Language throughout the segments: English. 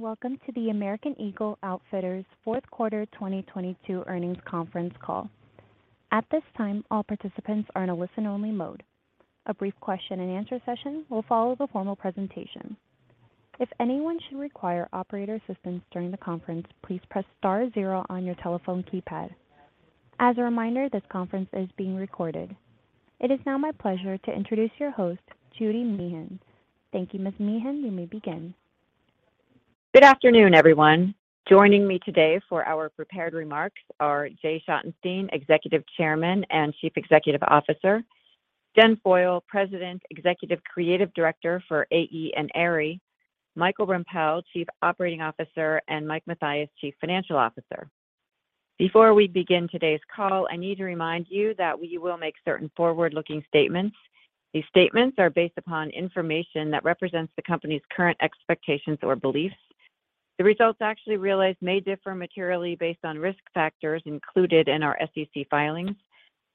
Welcome to the American Eagle Outfitters Q4 2022 Earnings Conference Call. At this time, all participants are in a listen-only mode. A brief question and answer session will follow the formal presentation. If anyone should require operator assistance during the conference, please press star zero on your telephone keypad. As a reminder, this conference is being recorded. It is now my pleasure to introduce your host, Judy Meehan. Thank you, Ms. Meehan. You may begin. Good afternoon, everyone. Joining me today for our prepared remarks are Jay Schottenstein, Executive Chairman and Chief Executive Officer. Jen Foyle, President, Executive Creative Director for AE and Aerie. Michael Rempell, Chief Operating Officer, and Mike Mathias, Chief Financial Officer. Before we begin today's call, I need to remind you that we will make certain forward-looking statements. These statements are based upon information that represents the company's current expectations or beliefs. The results actually realized may differ materially based on risk factors included in our SEC filings.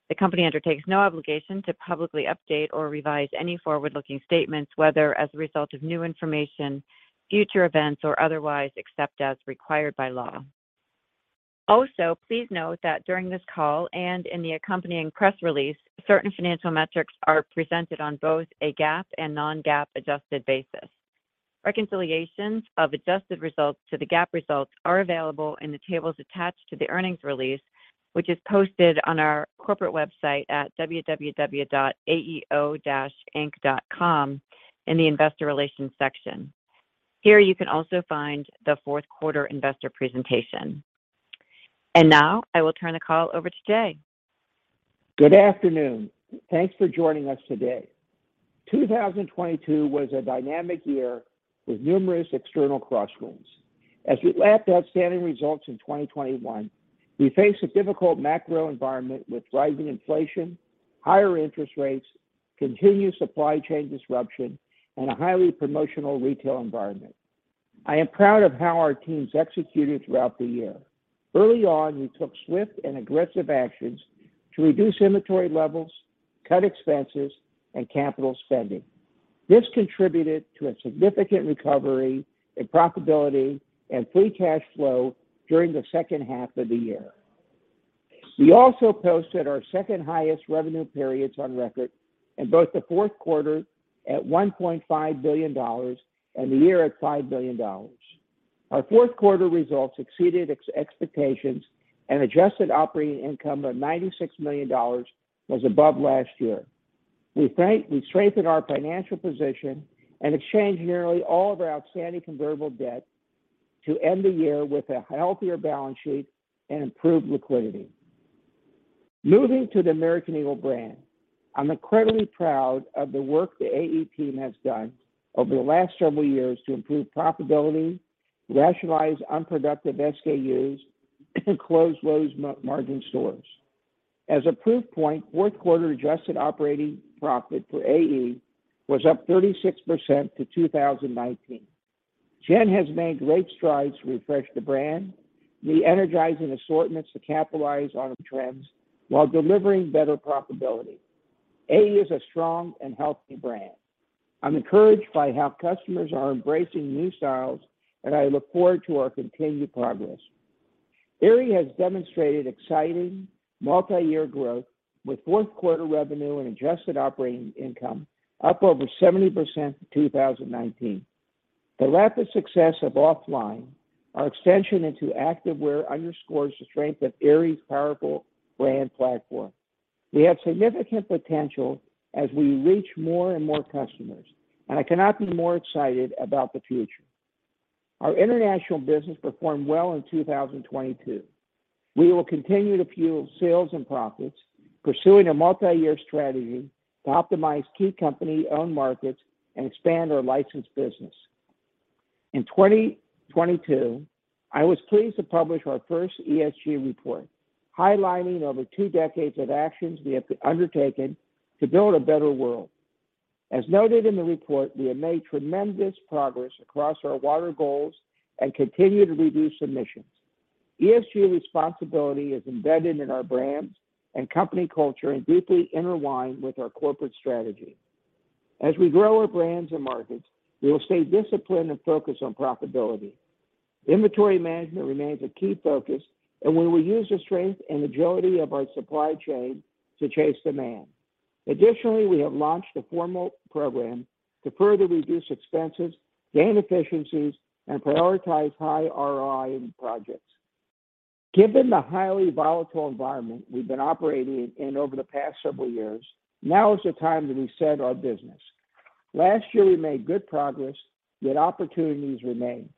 The company undertakes no obligation to publicly update or revise any forward-looking statements, whether as a result of new information, future events, or otherwise, except as required by law. Also, please note that during this call and in the accompanying press release, certain financial metrics are presented on both a GAAP and non-GAAP adjusted basis. Reconciliations of adjusted results to the GAAP results are available in the tables attached to the earnings release, which is posted on our corporate website at www.aeo-inc.com in the Investor Relations section. Here you can also find the Q4 investor presentation. Now I will turn the call over to Jay. Good afternoon. Thanks for joining us today. 2022 was a dynamic year with numerous external crossroads. As we lapped outstanding results in 2021, we faced a difficult macro environment with rising inflation, higher interest rates, continued supply chain disruption, and a highly promotional retail environment. I am proud of how our teams executed throughout the year. Early on, we took swift and aggressive actions to reduce inventory levels, cut expenses, and capital spending. This contributed to a significant recovery in profitability and free cash flow during the second half of the year. We also posted our second highest revenue periods on record in both the Q4 at $1.5 billion and the year at $5 billion. Our Q4 results exceeded expectations and adjusted operating income of $96 million was above last year. We strengthened our financial position and exchanged nearly all of our outstanding convertible debt to end the year with a healthier balance sheet and improved liquidity. Moving to the American Eagle brand, I'm incredibly proud of the work the AE team has done over the last several years to improve profitability, rationalize unproductive SKUs, and close low margin stores. As a proof point, Q4 adjusted operating profit for AE was up 36% to 2019. Jen has made great strides to refresh the brand, re-energizing assortments to capitalize on trends while delivering better profitability. AE is a strong and healthy brand. I'm encouraged by how customers are embracing new styles. I look forward to our continued progress. Aerie has demonstrated exciting multi-year growth with Q4 revenue and adjusted operating income up over 70% to 2019. The rapid success of OFFLINE, our extension into activewear underscores the strength of Aerie's powerful brand platform. We have significant potential as we reach more and more customers, and I cannot be more excited about the future. Our international business performed well in 2022. We will continue to fuel sales and profits, pursuing a multi-year strategy to optimize key company-owned markets and expand our licensed business. In 2022, I was pleased to publish our first ESG report, highlighting over two decades of actions we have undertaken to build a better world. As noted in the report, we have made tremendous progress across our water goals and continue to reduce emissions. ESG responsibility is embedded in our brands and company culture and deeply intertwined with our corporate strategy. As we grow our brands and markets, we will stay disciplined and focused on profitability. Inventory management remains a key focus, and we will use the strength and agility of our supply chain to chase demand. Additionally, we have launched a formal program to further reduce expenses, gain efficiencies, and prioritize high ROI in projects. Given the highly volatile environment we've been operating in over the past several years, now is the time to reset our business. Last year, we made good progress, yet opportunities remain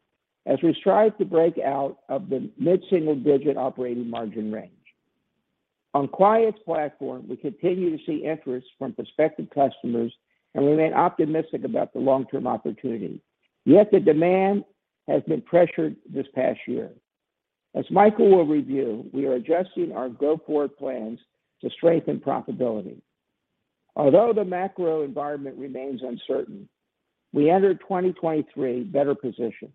as we strive to break out of the mid-single-digit operating margin range. On Quiet Platforms, we continue to see interest from prospective customers, and remain optimistic about the long-term opportunity. The demand has been pressured this past year. As Michael will review, we are adjusting our go-forward plans to strengthen profitability. Although the macro environment remains uncertain, we enter 2023 better positioned.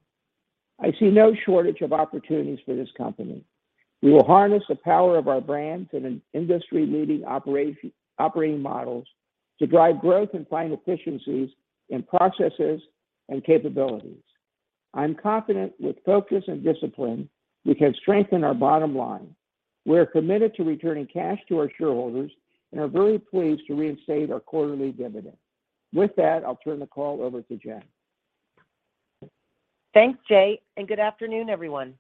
I see no shortage of opportunities for this company. We will harness the power of our brands in an industry-leading operation, operating models to drive growth and find efficiencies in processes and capabilities. I'm confident with focus and discipline, we can strengthen our bottom line. We're committed to returning cash to our shareholders and are very pleased to reinstate our quarterly dividend. With that, I'll turn the call over to Jen. Thanks, Jay, and good afternoon, everyone.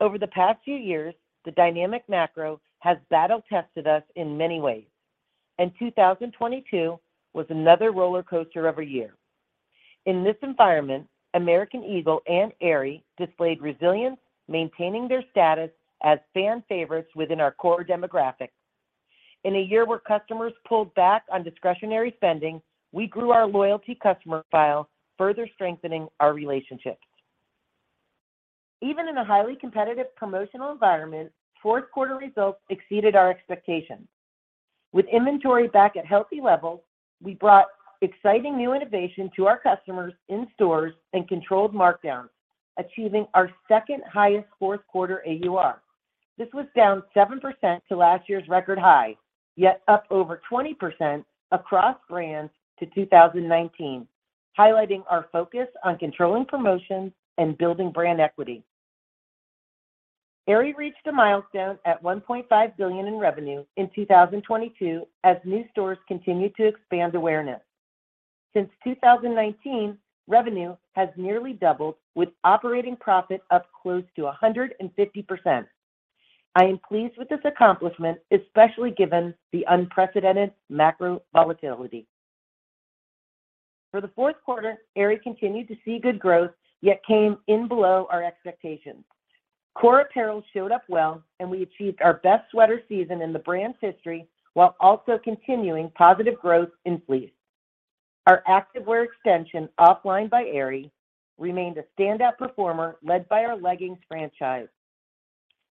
Over the past few years, the dynamic macro has battle-tested us in many ways, and 2022 was another roller coaster of a year. In this environment, American Eagle and Aerie displayed resilience, maintaining their status as fan favorites within our core demographics. In a year where customers pulled back on discretionary spending, we grew our loyalty customer file, further strengthening our relationships. Even in a highly competitive promotional environment, Q4 results exceeded our expectations. With inventory back at healthy levels, we brought exciting new innovation to our customers in stores and controlled markdowns, achieving our second highest Q4 AUR. This was down 7% to last year's record high, yet up over 20% across brands to 2019, highlighting our focus on controlling promotions and building brand equity. Aerie reached a milestone at $1.5 billion in revenue in 2022 as new stores continued to expand awareness. Since 2019, revenue has nearly doubled with operating profit up close to 150%. I am pleased with this accomplishment, especially given the unprecedented macro volatility. For the Q4, Aerie continued to see good growth, yet came in below our expectations. Core apparel showed up well, and we achieved our best sweater season in the brand's history, while also continuing positive growth in fleece. Our activewear extension, OFFLINE by Aerie, remained a standout performer led by our leggings franchise.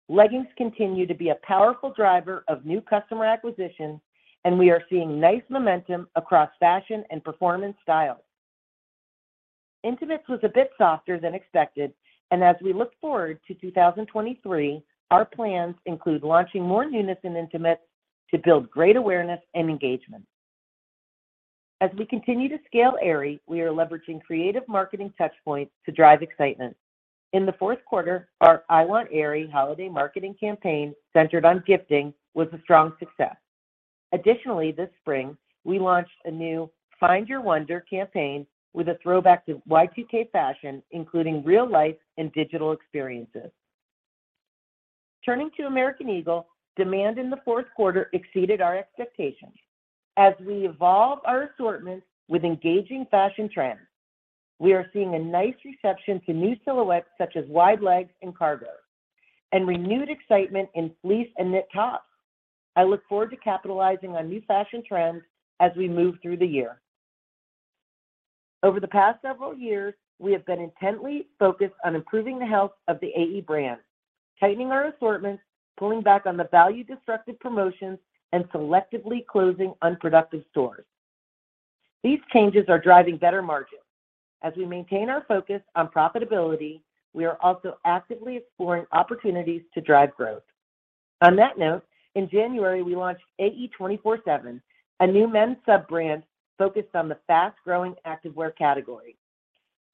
Leggings continue to be a powerful driver of new customer acquisitions, and we are seeing nice momentum across fashion and performance styles. Intimates was a bit softer than expected, and as we look forward to 2023, our plans include launching more newness in intimates to build great awareness and engagement. As we continue to scale Aerie, we are leveraging creative marketing touch points to drive excitement. In the Q4, our I Want Aerie holiday marketing campaign centered on gifting was a strong success. Additionally, this spring, we launched a new Find Your Wonder campaign with a throwback to Y2K fashion, including real life and digital experiences. Turning to American Eagle, demand in the Q4 exceeded our expectations. As we evolve our assortment with engaging fashion trends, we are seeing a nice reception to new silhouettes such as wide leg and cargo, and renewed excitement in fleece and knit tops. I look forward to capitalizing on new fashion trends as we move through the year. Over the past several years, we have been intently focused on improving the health of the AE brand, tightening our assortments, pulling back on the value-destructive promotions, and selectively closing unproductive stores. These changes are driving better margins. As we maintain our focus on profitability, we are also actively exploring opportunities to drive growth. On that note, in January, we launched AE 24/7, a new men's sub-brand focused on the fast-growing activewear category.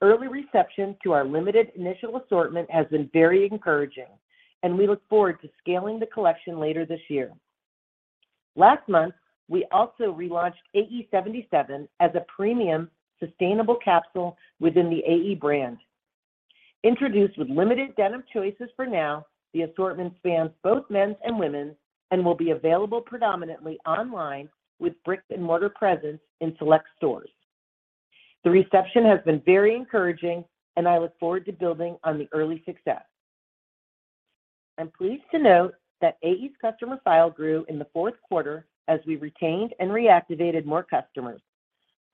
Early reception to our limited initial assortment has been very encouraging, and we look forward to scaling the collection later this year. Last month, we also relaunched AE77 as a premium sustainable capsule within the AE brand. Introduced with limited denim choices for now, the assortment spans both men's and women's and will be available predominantly online with brick-and-mortar presence in select stores. The reception has been very encouraging, and I look forward to building on the early success. I'm pleased to note that AE's customer file grew in the Q4 as we retained and reactivated more customers.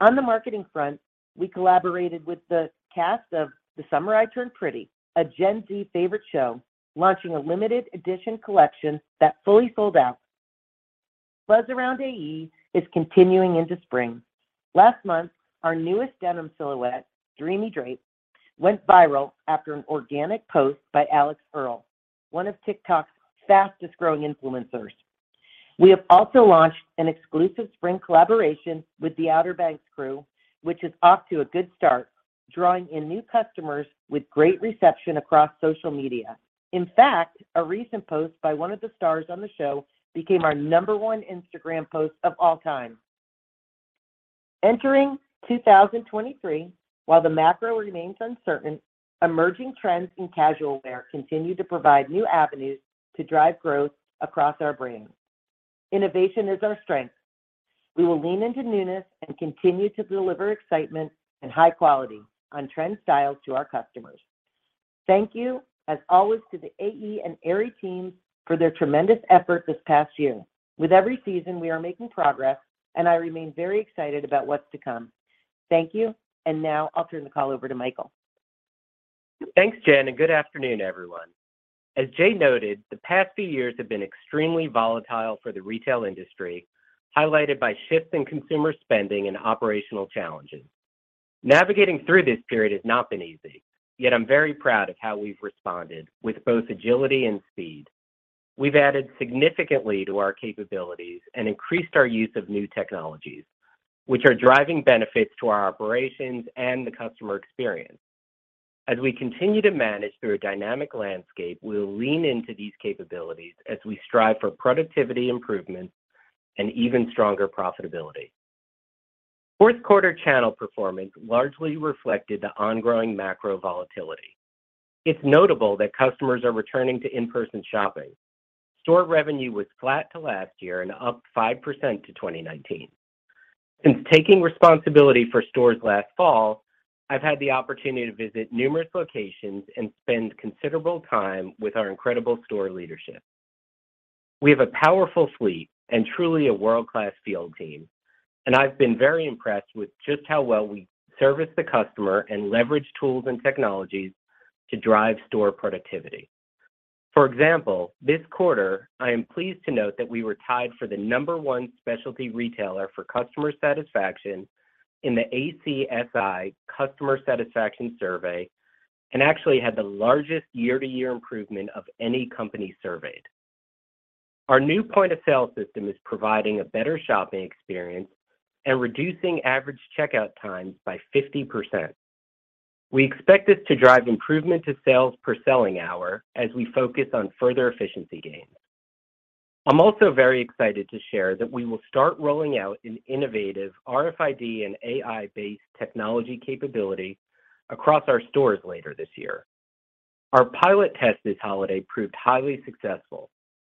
On the marketing front, we collaborated with the cast of The Summer I Turned Pretty, a Gen Z favorite show, launching a limited edition collection that fully sold out. Buzz around AE is continuing into spring. Last month, our newest denim silhouette, Dreamy Drape, went viral after an organic post by Alix Earle, one of TikTok's fastest-growing influencers. We have also launched an exclusive spring collaboration with the Outer Banks crew, which is off to a good start, drawing in new customers with great reception across social media. In fact, a recent post by one of the stars on the show became our number one Instagram post of all time. Entering 2023, while the macro remains uncertain, emerging trends in casual wear continue to provide new avenues to drive growth across our brands. Innovation is our strength. We will lean into newness and continue to deliver excitement and high quality on trend styles to our customers. Thank you, as always, to the AE and Aerie teams for their tremendous effort this past year. With every season, we are making progress, and I remain very excited about what's to come. Thank you. Now I'll turn the call over to Michael. Thanks, Jen, and good afternoon, everyone. As Jay noted, the past few years have been extremely volatile for the retail industry, highlighted by shifts in consumer spending and operational challenges Navigating through this period has not been easy, yet I'm very proud of how we've responded with both agility and speed. We've added significantly to our capabilities and increased our use of new technologies, which are driving benefits to our operations and the customer experience. As we continue to manage through a dynamic landscape, we'll lean into these capabilities as we strive for productivity improvements and even stronger profitability. Q4 channel performance largely reflected the ongoing macro volatility. It's notable that customers are returning to in-person shopping. Store revenue was flat to last year and up 5% to 2019. Since taking responsibility for stores last fall, I've had the opportunity to visit numerous locations and spend considerable time with our incredible store leadership. We have a powerful fleet and truly a world-class field team, and I've been very impressed with just how well we service the customer and leverage tools and technologies to drive store productivity. For example, this quarter, I am pleased to note that we were tied for the number one specialty retailer for customer satisfaction in the ACSI Customer Satisfaction Survey and actually had the largest year-to-year improvement of any company surveyed. Our new point-of-sale system is providing a better shopping experience and reducing average checkout times by 50%. We expect this to drive improvement to sales per selling hour as we focus on further efficiency gains. I'm also very excited to share that we will start rolling out an innovative RFID and AI-based technology capability across our stores later this year. Our pilot test this holiday proved highly successful,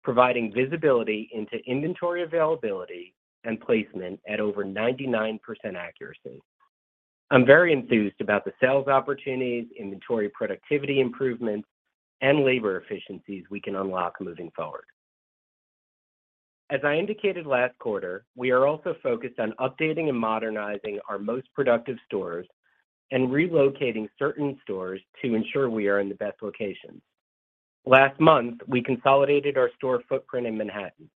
providing visibility into inventory availability and placement at over 99% accuracy. I'm very enthused about the sales opportunities, inventory productivity improvements, and labor efficiencies we can unlock moving forward. As I indicated last quarter, we are also focused on updating and modernizing our most productive stores and relocating certain stores to ensure we are in the best locations. Last month, we consolidated our store footprint in Manhattan.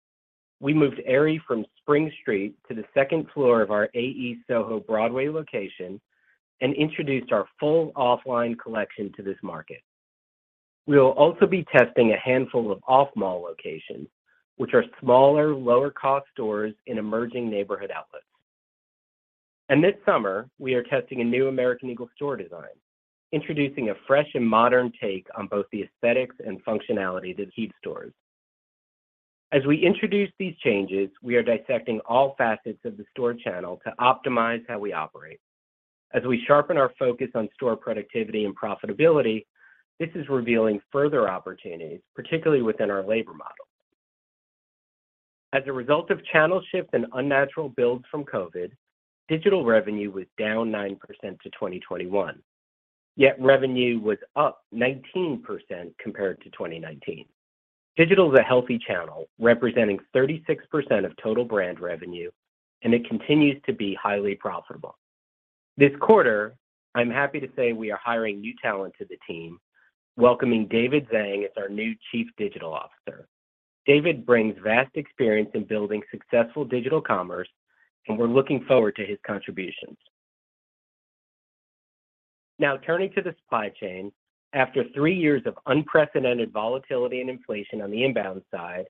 We moved Aerie from Spring Street to the second floor of our AE Soho Broadway location and introduced our full OFFLINE collection to this market. This summer, we are testing a handful of off-mall locations, which are smaller, lower-cost stores in emerging neighborhood outlets. This summer, we are testing a new American Eagle store design, introducing a fresh and modern take on both the aesthetics and functionality that keep stores. As we introduce these changes, we are dissecting all facets of the store channel to optimize how we operate. As we sharpen our focus on store productivity and profitability, this is revealing further opportunities, particularly within our labor model. As a result of channel shift and unnatural builds from COVID, digital revenue was down 9% to 2021. Revenue was up 19% compared to 2019. Digital is a healthy channel representing 36% of total brand revenue, and it continues to be highly profitable. This quarter, I'm happy to say we are hiring new talent to the team, welcoming David Zhang as our new Chief Digital Officer. David brings vast experience in building successful digital commerce, and we're looking forward to his contributions. Now turning to the supply chain, after three years of unprecedented volatility and inflation on the inbound side,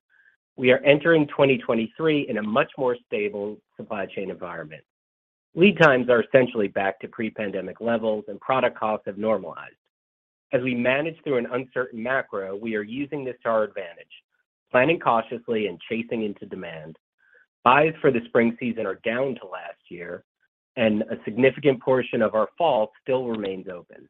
we are entering 2023 in a much more stable supply chain environment. Lead times are essentially back to pre-pandemic levels. Product costs have normalized. As we manage through an uncertain macro, we are using this to our advantage, planning cautiously and chasing into demand. Buys for the spring season are down to last year, and a significant portion of our fall still remains open.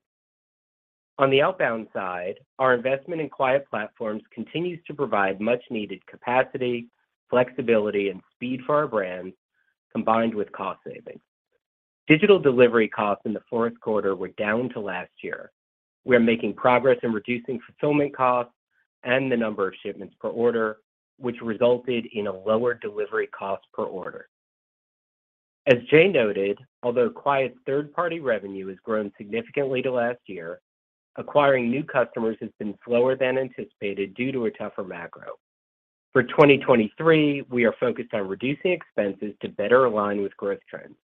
On the outbound side, our investment in Quiet Platforms continues to provide much-needed capacity, flexibility, and speed for our brands, combined with cost savings. Digital delivery costs in the Q4 were down to last year. We are making progress in reducing fulfillment costs and the number of shipments per order, which resulted in a lower delivery cost per order. As Jay noted, although Quiet's third-party revenue has grown significantly to last year, acquiring new customers has been slower than anticipated due to a tougher macro. For 2023, we are focused on reducing expenses to better align with growth trends.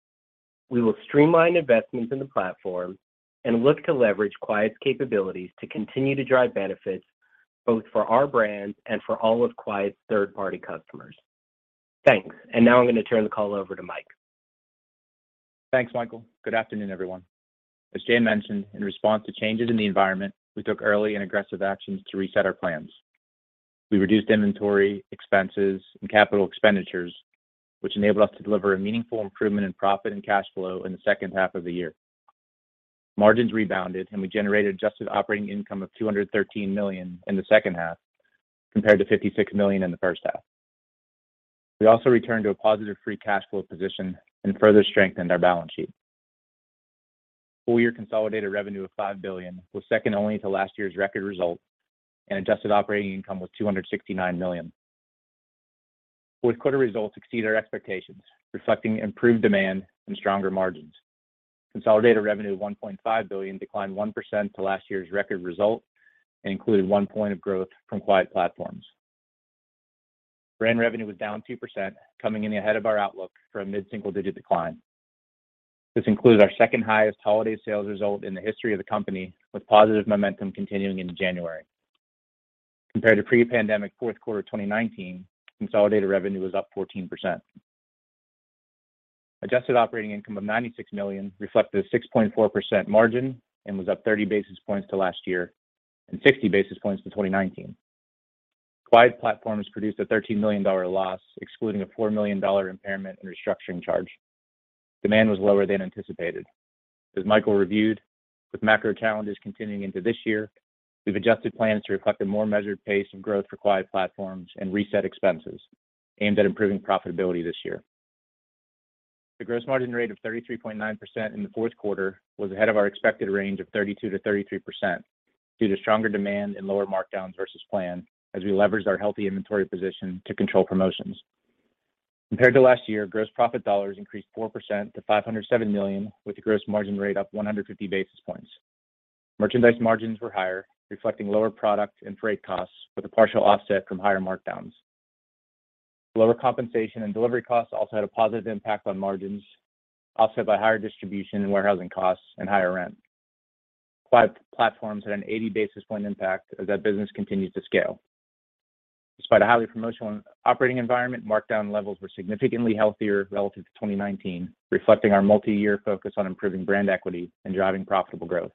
We will streamline investments in the platform and look to leverage Quiet's capabilities to continue to drive benefits both for our brands and for all of Quiet's third-party customers. Thanks. Now I'm gonna turn the call over to Mike. Thanks, Michael. Good afternoon, everyone. As Jen mentioned, in response to changes in the environment, we took early and aggressive actions to reset our plans. We reduced inventory, expenses, and capital expenditures, which enabled us to deliver a meaningful improvement in profit and cash flow in the second half of the year. Margins rebounded, and we generated adjusted operating income of $213 million in the second half compared to $56 million in the first half. We also returned to a positive free cash flow position and further strengthened our balance sheet. Full year consolidated revenue of $5 billion was second only to last year's record result, and adjusted operating income was $269 million. Q4 results exceed our expectations, reflecting improved demand and stronger margins. Consolidated revenue of $1.5 billion declined 1% to last year's record result and included one point of growth from Quiet Platforms. Brand revenue was down 2%, coming in ahead of our outlook for a mid-single digit decline. This includes our second highest holiday sales result in the history of the company, with positive momentum continuing into January. Compared to pre-pandemic Q4 of 2019, consolidated revenue was up 14%. Adjusted operating income of $96 million reflected a 6.4% margin and was up 30 basis points to last year and 60 basis points to 2019. Quiet Platforms produced a $13 million loss, excluding a $4 million impairment and restructuring charge. Demand was lower than anticipated. As Michael reviewed, with macro challenges continuing into this year, we've adjusted plans to reflect a more measured pace and growth for Quiet Platforms and reset expenses aimed at improving profitability this year. The gross margin rate of 33.9% in the Q4 was ahead of our expected range of 32%-33% due to stronger demand and lower markdowns versus plan as we leveraged our healthy inventory position to control promotions. Compared to last year, gross profit dollars increased 4% to $507 million, with the gross margin rate up 150 basis points. Merchandise margins were higher, reflecting lower product and freight costs with a partial offset from higher markdowns. Lower compensation and delivery costs also had a positive impact on margins, offset by higher distribution and warehousing costs and higher rent. Quiet Platforms had an 80 basis point impact as that business continues to scale. Despite a highly promotional operating environment, markdown levels were significantly healthier relative to 2019, reflecting our multi-year focus on improving brand equity and driving profitable growth.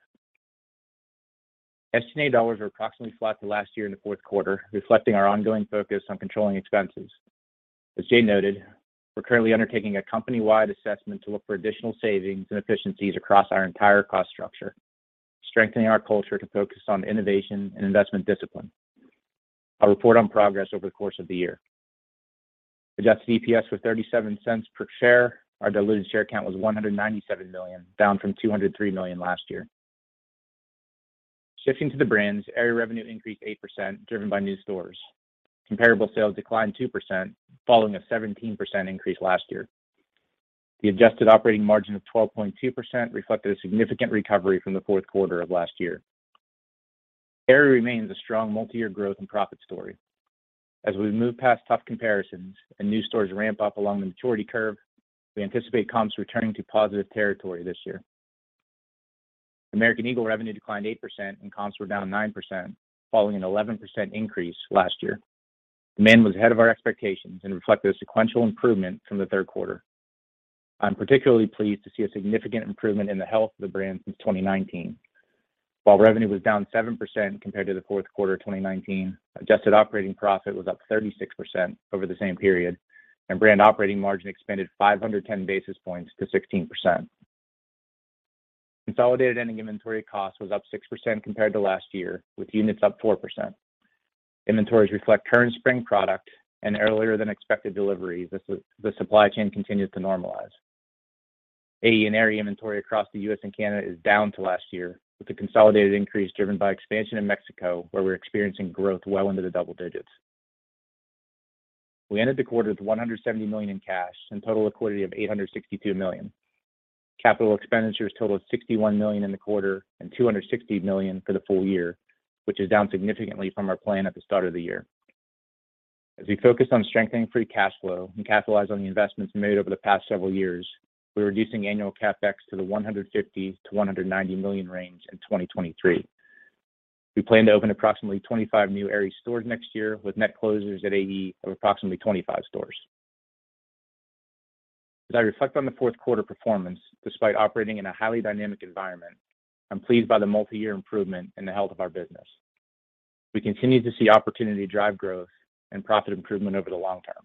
SG&A dollars are approximately flat to last year in the Q4, reflecting our ongoing focus on controlling expenses. As Jay noted, we're currently undertaking a company-wide assessment to look for additional savings and efficiencies across our entire cost structure, strengthening our culture to focus on innovation and investment discipline. I'll report on progress over the course of the year. Adjusted EPS was $0.37 per share. Our diluted share count was 197 million, down from 203 million last year. Shifting to the brands, Aerie revenue increased 8%, driven by new stores. Comparable sales declined 2%, following a 17% increase last year. The adjusted operating margin of 12.2% reflected a significant recovery from the Q4 of last year. Aerie remains a strong multi-year growth and profit story. As we move past tough comparisons and new stores ramp up along the maturity curve, we anticipate comps returning to positive territory this year. American Eagle revenue declined 8% and comps were down 9%, following an 11% increase last year. Demand was ahead of our expectations and reflected a sequential improvement from the Q3. I'm particularly pleased to see a significant improvement in the health of the brand since 2019. While revenue was down 7% compared to the Q4 of 2019, adjusted operating profit was up 36% over the same period, brand operating margin expanded 510 basis points to 16%. Consolidated ending inventory cost was up 6% compared to last year, with units up 4%. Inventories reflect current spring product and earlier than expected deliveries as the supply chain continues to normalize. AE&A inventory across the U.S. and Canada is down to last year, with the consolidated increase driven by expansion in Mexico, where we're experiencing growth well into the double digits. We ended the quarter with $170 million in cash and total liquidity of $862 million. Capital expenditures totaled $61 million in the quarter and $260 million for the full year, which is down significantly from our plan at the start of the year. As we focus on strengthening free cash flow and capitalize on the investments made over the past several years, we're reducing annual CapEx to the $150 million-$190 million range in 2023. We plan to open approximately 25 new Aerie stores next year, with net closures at AE of approximately 25 stores. As I reflect on the Q4 performance, despite operating in a highly dynamic environment, I'm pleased by the multi-year improvement in the health of our business. We continue to see opportunity to drive growth and profit improvement over the long term.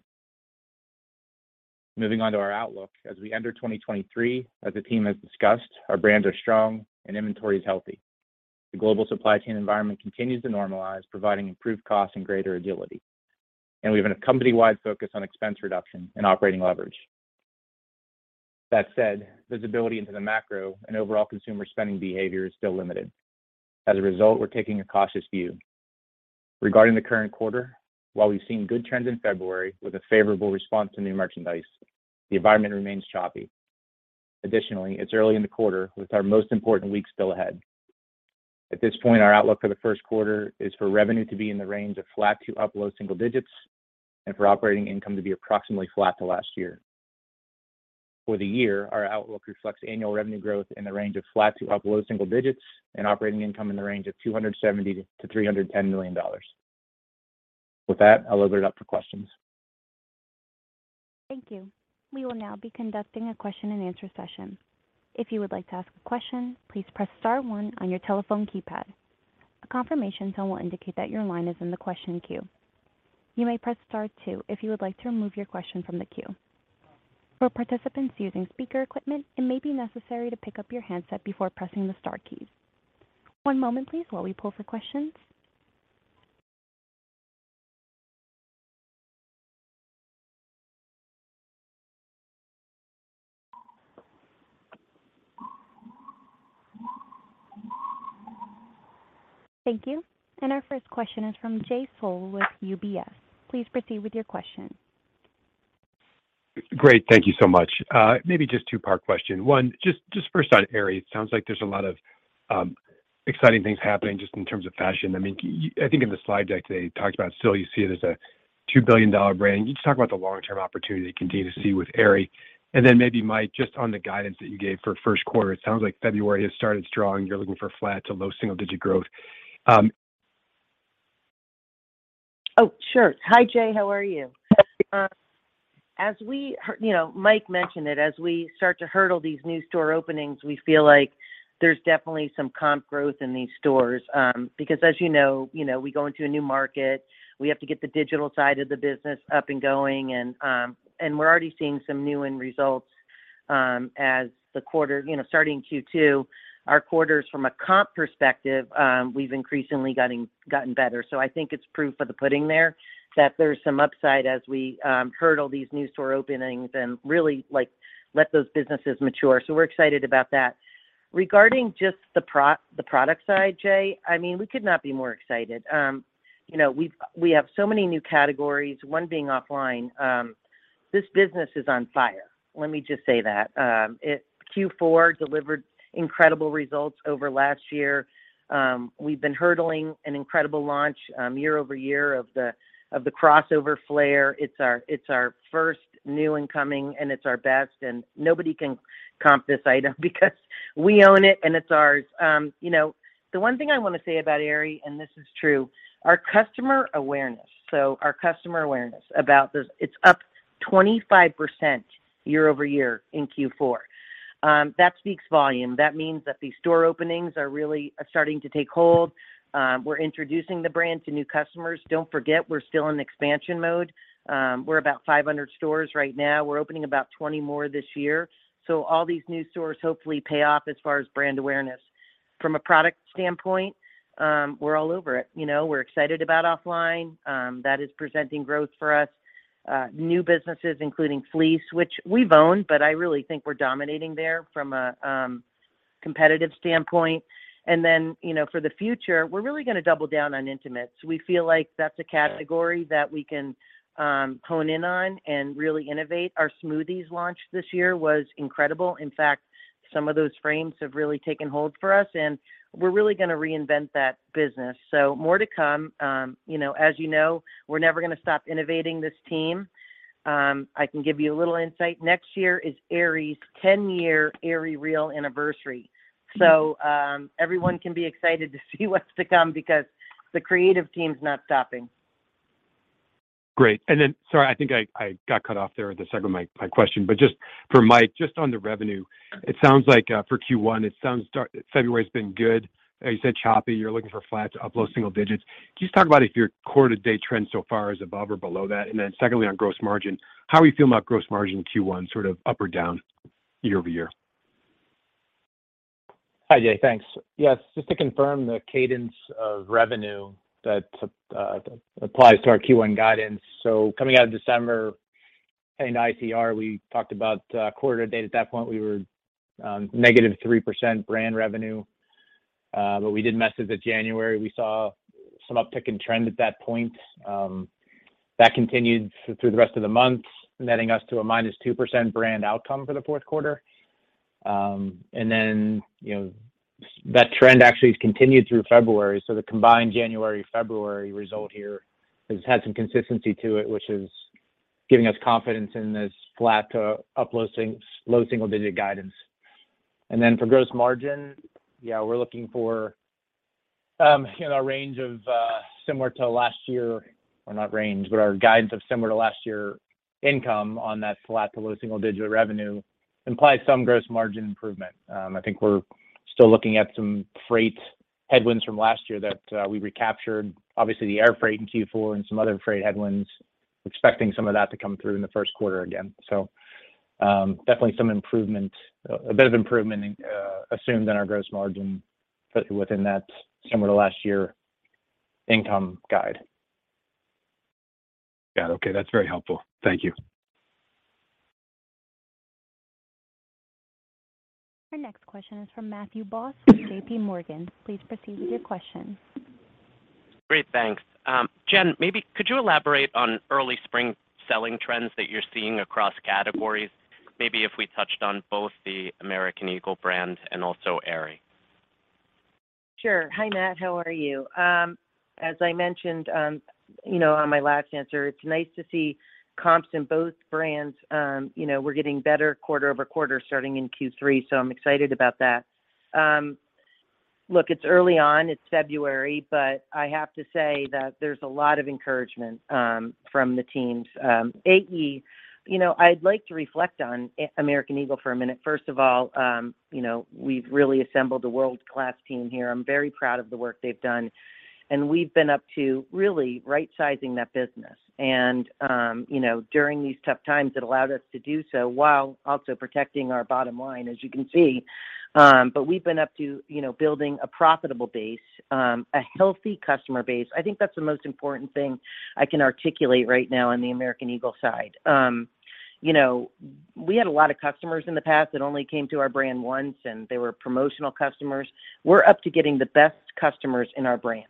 Moving on to our outlook, as we enter 2023, as the team has discussed, our brands are strong and inventory is healthy. The global supply chain environment continues to normalize, providing improved cost and greater agility, and we have a company-wide focus on expense reduction and operating leverage. That said, visibility into the macro and overall consumer spending behavior is still limited. As a result, we're taking a cautious view. Regarding the current quarter, while we've seen good trends in February with a favorable response to new merchandise, the environment remains choppy. Additionally, it's early in the quarter, with our most important week still ahead. At this point, our outlook for the Q1 is for revenue to be in the range of flat to up low double single digits, and for operating income to be approximately flat to last year. For the year, our outlook reflects annual revenue growth in the range of flat to up low single digits and operating income in the range of $270 million-$310 million. With that, I'll open it up for questions. Thank you. We will now be conducting a question and answer session. If you would like to ask a question, please press star one on your telephone keypad. A confirmation tone will indicate that your line is in the question queue. You may press star two if you would like to remove your question from the queue. For participants using speaker equipment, it may be necessary to pick up your handset before pressing the star keys. One moment please while we pull for questions. Thank you. Our first question is from Jay Sole with UBS. Please proceed with your question. Great. Thank you so much. Maybe just two-part question. One, just first on Aerie. It sounds like there's a lot of exciting things happening just in terms of fashion. I mean, I think in the slide deck today, you talked about still you see it as a $2 billion brand. Can you just talk about the long-term opportunity you continue to see with Aerie? Then maybe, Mike, just on the guidance that you gave for Q1, it sounds like February has started strong. You're looking for flat to low single-digit growth. Oh, sure. Hi Jay, how are you? You know, Mike mentioned it. As we start to hurdle these new store openings, we feel like there's definitely some comp growth in these stores, because as you know, you know, we go into a new market, we have to get the digital side of the business up and going and we're already seeing some new end results, as the quarter. You know, starting Q2, our quarters from a comp perspective, we've increasingly gotten better. I think it's proof of the pudding there that there's some upside as we hurdle these new store openings and really, like, let those businesses mature. We're excited about that. Regarding just the product side, Jay, I mean, we could not be more excited. You know, we've, we have so many new categories, one being OFFLINE. This business is on fire. Let me just say that. Q4 delivered incredible results over last year. We've been hurdling an incredible launch year-over-year of the, of the crossover flare. It's our, it's our first new incoming, and it's our best, and nobody can comp this item because we own it and it's ours. You know, the one thing I wanna say about Aerie, and this is true, our customer awareness. Our customer awareness about this, it's up 25% year-over-year in Q4. That speaks volume. That means that these store openings are really starting to take hold. We're introducing the brand to new customers. Don't forget, we're still in expansion mode. We're about 500 stores right now. We're opening about 20 more this year. All these new stores hopefully pay off as far as brand awareness. From a product standpoint, we're all over it. You know, we're excited about OFFLINE. That is presenting growth for us. New businesses including fleece, which we've owned, but I really think we're dominating there from a competitive standpoint. You know, for the future, we're really gonna double down on intimates. We feel like that's a category that we can hone in on and really innovate. Our SMOOTHEZ launch this year was incredible. In fact, some of those frames have really taken hold for us, and we're really gonna reinvent that business, so more to come. You know, as you know, we're never gonna stop innovating this team. I can give you a little insight. Next year is Aerie's 10-year AerieREAL anniversary. Everyone can be excited to see what's to come because the creative team's not stopping. Great. Sorry, I think I got cut off there at the second of my question. Just for Mike, just on the revenue, it sounds like for Q1, it sounds. February's been good. You said choppy. You're looking for flat to up low single digits. Can you just talk about if your quarter-to-date trend so far is above or below that? Secondly, on gross margin, how are you feeling about gross margin Q1, sort of up or down year-over-year? Hi, Jay. Thanks. Yes, just to confirm the cadence of revenue that applies to our Q1 guidance. Coming out of December into ICR, we talked about, quarter to date. At that point, we were -3% brand revenue. We did mess with the January. We saw some uptick in trend at that point, that continued through the rest of the month, netting us to a -2% brand outcome for the Q4. You know, that trend actually continued through February. The combined January-February result here has had some consistency to it, which is giving us confidence in this flat to up low single digit guidance. For gross margin, yeah, we're looking for, you know, a range of similar to last year, or not range, but our guidance of similar to last year income on that flat to low single-digit revenue implies some gross margin improvement. I think we're still looking at some freight headwinds from last year that we recaptured. Obviously, the air freight in Q4 and some other freight headwinds, expecting some of that to come through in the Q1 again. Definitely some improvement, a bit of improvement assumed in our gross margin within that similar to last year income guide. Got it. Okay. That's very helpful. Thank you. Our next question is from Matthew Boss with JPMorgan. Please proceed with your question. Great. Thanks. Jen, maybe could you elaborate on early spring selling trends that you're seeing across categories? Maybe if we touched on both the American Eagle brand and also Aerie. Sure. Hi, Matt. How are you? As I mentioned, you know, on my last answer, it's nice to see comps in both brands. You know, we're getting better quarter-over-quarter starting in Q3. I'm excited about that. Look, it's early on, it's February. I have to say that there's a lot of encouragement from the teams. AE, you know, I'd like to reflect on American Eagle for a minute. First of all, you know, we've really assembled a world-class team here. I'm very proud of the work they've done. We've been up to really right-sizing that business. You know, during these tough times, it allowed us to do so while also protecting our bottom line, as you can see. We've been up to, you know, building a profitable base, a healthy customer base. I think that's the most important thing I can articulate right now on the American Eagle side. You know, we had a lot of customers in the past that only came to our brand once, and they were promotional customers. We're up to getting the best customers in our brands.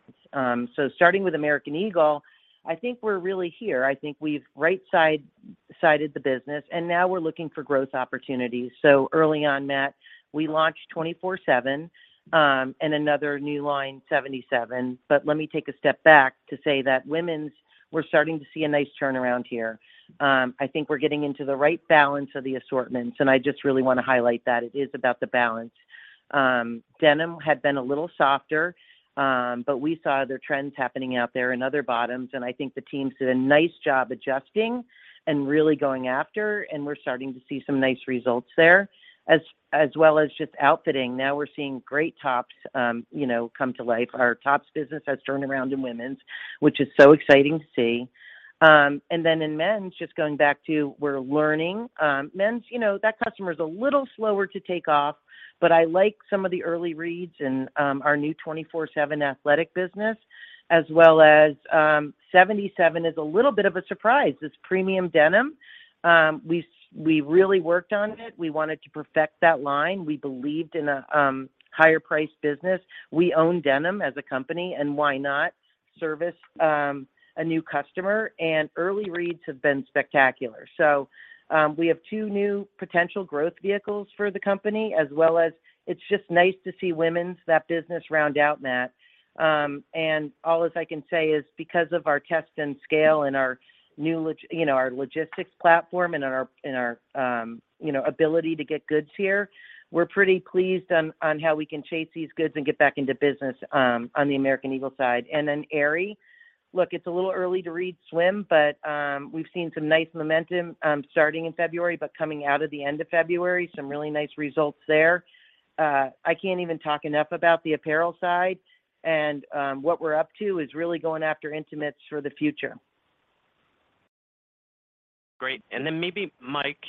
Starting with American Eagle, I think we're really here. I think we've right side-sided the business, and now we're looking for growth opportunities. Early on, Matt, we launched 24/7, and another new line, 77. Let me take a step back to say that women's, we're starting to see a nice turnaround here. I think we're getting into the right balance of the assortments, and I just really wanna highlight that. It is about the balance. Denim had been a little softer, we saw other trends happening out there and other bottoms, and I think the teams did a nice job adjusting and really going after, and we're starting to see some nice results there. As well as just outfitting. We're seeing great tops, you know, come to life. Our tops business has turned around in women's, which is so exciting to see. In men's, just going back to we're learning. Men's, you know, that customer is a little slower to take off, I like some of the early reads in our new AE 24/7 athletic business, as well as AE77 is a little bit of a surprise. It's premium denim. We really worked on it. We wanted to perfect that line. We believed in a higher priced business. We own denim as a company, and why not service, a new customer. Early reads have been spectacular. We have two new potential growth vehicles for the company, as well as it's just nice to see women's, that business round out, Matt. All as I can say is because of our test and scale and our new you know, our logistics platform and our, you know, ability to get goods here, we're pretty pleased on how we can chase these goods and get back into business on the American Eagle side. Aerie, look, it's a little early to read swim, but we've seen some nice momentum starting in February, but coming out of the end of February, some really nice results there. I can't even talk enough about the apparel side. What we're up to is really going after intimates for the future. Great. Maybe Mike,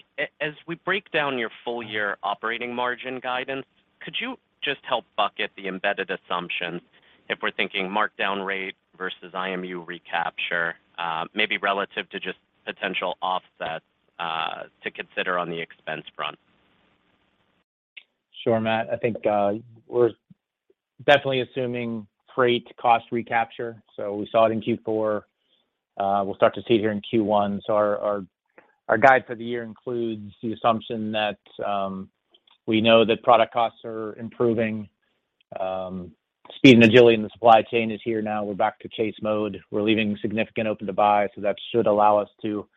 as we break down your full year operating margin guidance, could you just help bucket the embedded assumptions if we're thinking markdown rate versus IMU recapture, maybe relative to just potential offsets to consider on the expense front? Sure, Matt. I think we're definitely assuming freight cost recapture. We saw it in Q4. We'll start to see it here in Q1. Our guide for the year includes the assumption that we know that product costs are improving. Speed and agility in the supply chain is here now. We're back to chase mode. We're leaving significant open to buy, so that should allow us to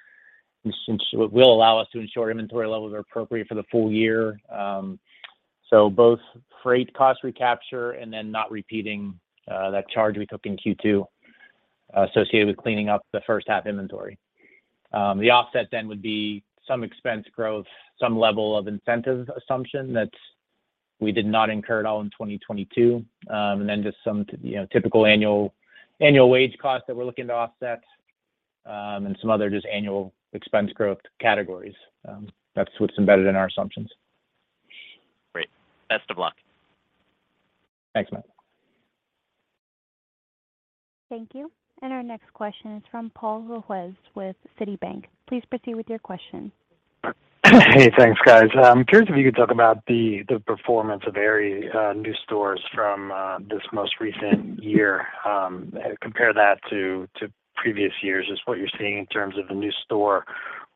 ensure inventory levels are appropriate for the full year. Both freight cost recapture and then not repeating that charge we took in Q2 associated with cleaning up the first half inventory. The offset would be some expense growth, some level of incentive assumption that we did not incur at all in 2022. Just some you know, typical annual wage costs that we're looking to offset, and some other just annual expense growth categories. That's what's embedded in our assumptions. Great. Best of luck. Thanks, Matt. Thank you. Our next question is from Paul Lejuez with Citigroup. Please proceed with your question. Hey, thanks, guys. Curious if you could talk about the performance of Aerie new stores from this most recent year, compare that to previous years, just what you're seeing in terms of a new store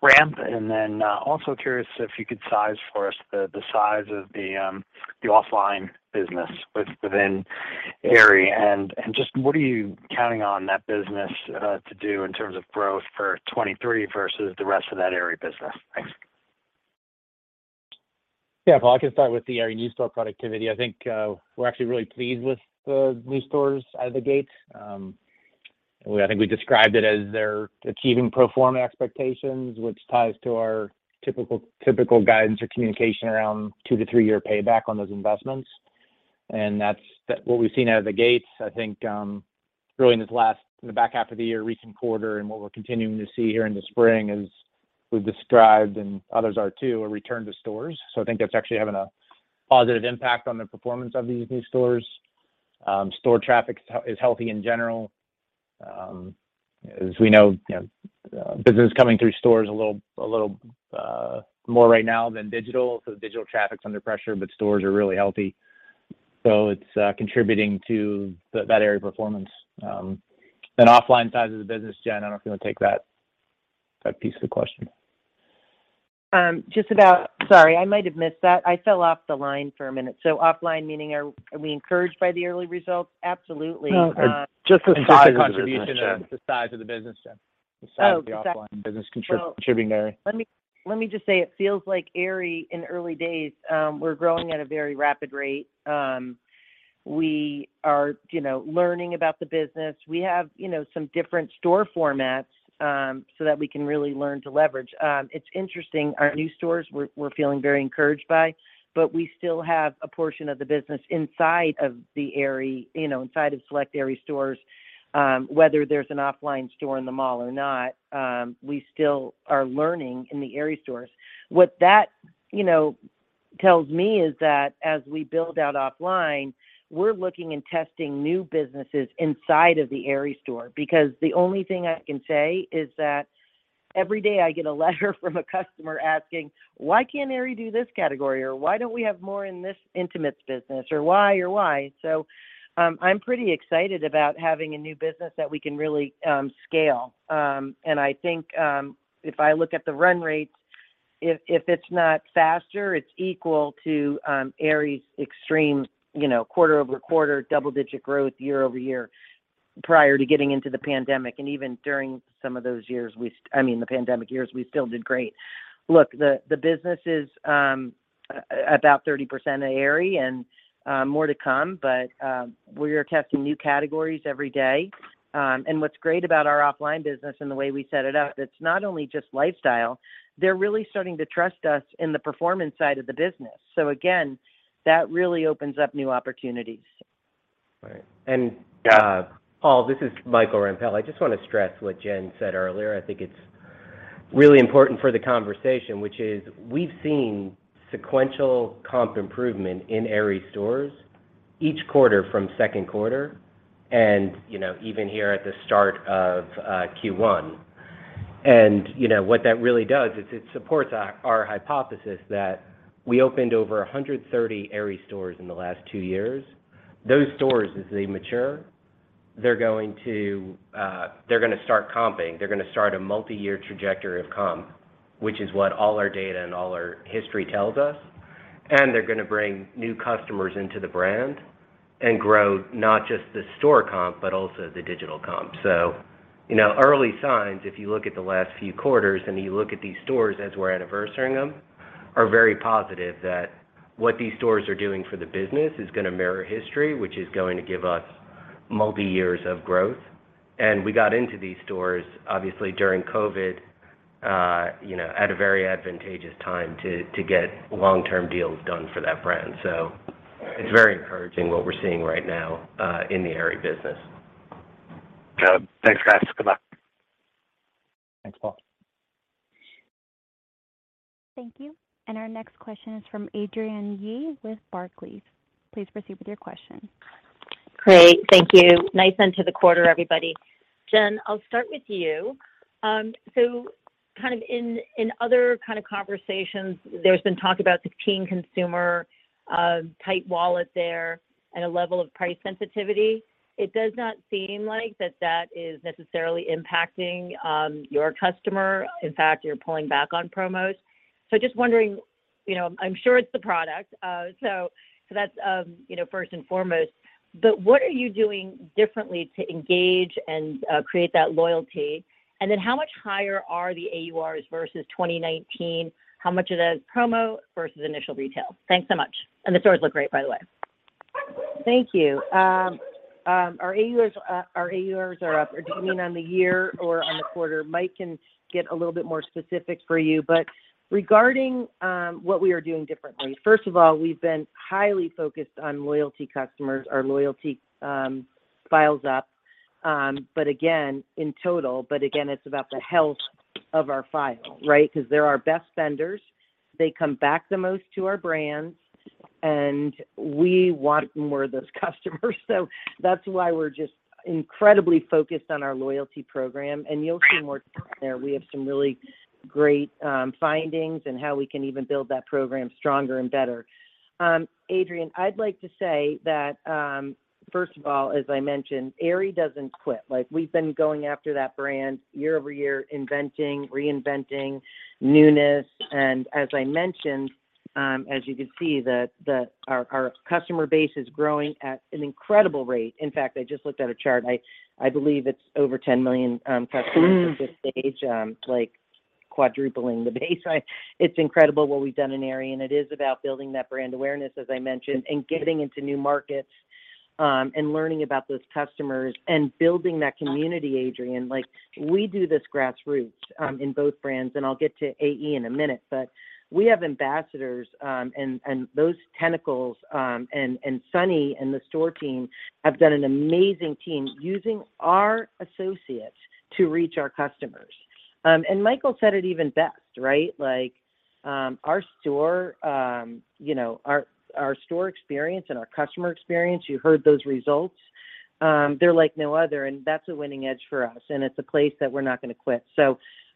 ramp. Then also curious if you could size for us the size of the OFFLINE business within Aerie, and just what are you counting on that business to do in terms of growth for 2023 versus the rest of that Aerie business? Thanks. Yeah, Paul, I can start with the Aerie new store productivity. I think we're actually really pleased with the new stores out of the gate. I think we described it as they're achieving pro forma expectations, which ties to our two to three year payback on those investments. That's what we've seen out of the gates, I think, really in this last the back half of the year, recent quarter, and what we're continuing to see here in the spring as we've described and others are too, a return to stores. I think that's actually having a positive impact on the performance of these new stores. Store traffic is healthy in general. As we know, you know, business coming through stores a little, a little more right now than digital. Digital traffic's under pressure, but stores are really healthy. It's contributing to that Aerie performance. OFFLINE size of the business, Jen, I don't know if you wanna take that piece of the question. Just about. Sorry, I might have missed that. I fell off the line for a minute. OFFLINE, meaning are we encouraged by the early results? Absolutely. No, just the size of the business, Jen. The size of the business, Jen. Oh, okay. The size of the OFFLINE business contributing to Aerie. Let me, let me just say it feels like Aerie in early days, we're growing at a very rapid rate. We are, you know, learning about the business. We have, you know, some different store formats, so that we can really learn to leverage. It's interesting. Our new stores we're feeling very encouraged by, but we still have a portion of the business inside of the Aerie, you know, inside of select Aerie stores. Whether there's an OFFLINE store in the mall or not, we still are learning in the Aerie stores. What that, you know, tells me is that as we build out OFFLINE, we're looking and testing new businesses inside of the Aerie store. The only thing I can say is that every day I get a letter from a customer asking, "Why can't Aerie do this category?" Or, "Why don't we have more in this intimates business?" Or why or why. I'm pretty excited about having a new business that we can really scale. I think, if I look at the run rates, if it's not faster, it's equal to Aerie's extreme, you know, quarter-over-quarter double-digit growth year-over-year prior to getting into the pandemic, and even during some of those years, I mean, the pandemic years, we still did great. Look, the business is about 30% of Aerie, more to come, we are testing new categories every day. What's great about our OFFLINE business and the way we set it up, it's not only just lifestyle, they're really starting to trust us in the performance side of the business. Again, that really opens up new opportunities. Right. Paul, this is Michael Rempell. I just wanna stress what Jen said earlier. I think it's really important for the conversation, which is we've seen sequential comp improvement in Aerie stores each quarter from Q2 and, you know, even here at the start of Q1. You know, what that really does is it supports our hypothesis that we opened over 130 Aerie stores in the last two years. Those stores, as they mature, they're going to, they're gonna start comping. They're gonna start a multi-year trajectory of comp, which is what all our data and all our history tells us, and they're gonna bring new customers into the brand and grow not just the store comp, but also the digital comp. You know, early signs, if you look at the last few quarters and you look at these stores as we're anniversarying them, are very positive that what these stores are doing for the business is gonna mirror history, which is going to give us multi-years of growth. We got into these stores obviously during COVID, you know, at a very advantageous time to get long-term deals done for that brand. It's very encouraging what we're seeing right now, in the Aerie business. Got it. Thanks, guys. Good luck. Thanks, Paul. Thank you. Our next question is from Adrienne Yih with Barclays. Please proceed with your question. Great. Thank you. Nice end to the quarter, everybody. Jen, I'll start with you. Kind of in other kind of conversations, there's been talk about the teen consumer, tight wallet there and a level of price sensitivity. It does not seem like that that is necessarily impacting your customer. In fact, you're pulling back on promos. Just wondering, you know. I'm sure it's the product. So that's, you know, first and foremost. What are you doing differently to engage and create that loyalty? Then how much higher are the AURs versus 2019? How much of that is promo versus initial retail? Thanks so much. The stores look great, by the way. Thank you. Our AURs are up. Do you mean on the year or on the quarter? Mike can get a little bit more specific for you. Regarding what we are doing differently, first of all, we've been highly focused on loyalty customers, our loyalty files up, but again, in total. Again, it's about the health of our file, right? Because they're our best spenders. They come back the most to our brands, and we want more of those customers. That's why we're just incredibly focused on our loyalty program, and you'll see more there. We have some really great findings in how we can even build that program stronger and better. Adrienne, I'd like to say that, first of all, as I mentioned, Aerie doesn't quit. Like, we've been going after that brand year over year, inventing, reinventing newness. As I mentioned, as you can see, our customer base is growing at an incredible rate. In fact, I just looked at a chart, I believe it's over $10 million customers at this stage, like quadrupling the base. It's incredible what we've done in Aerie, and it is about building that brand awareness, as I mentioned, and getting into new markets, and learning about those customers and building that community, Adrienne. Like, we do this grassroots in both brands, and I'll get to AE in a minute. We have ambassadors, and those tentacles, and Sunny and the store team have done an amazing team using our associates to reach our customers. Michael said it even best, right? Like, you know, our store experience and our customer experience, you heard those results, they're like no other, and that's a winning edge for us, and it's a place that we're not gonna quit.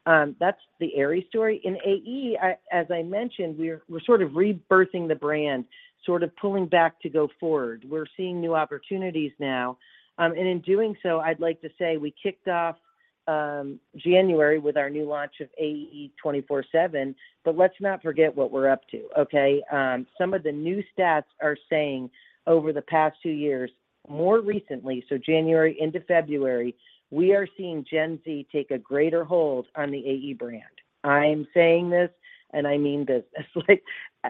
That's the Aerie story. In AE, as I mentioned, we're sort of rebirthing the brand, sort of pulling back to go forward. We're seeing new opportunities now. In doing so, I'd like to say we kicked off January with our new launch of AE 24/7, but let's not forget what we're up to, okay? Some of the new stats are saying over the past 2 years, more recently, so January into February, we are seeing Gen Z take a greater hold on the AE brand. I'm saying this, and I mean this. Like,